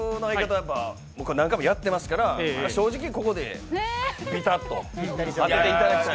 僕は何回もやってますから、正直ここでびたっと当てていただきたい。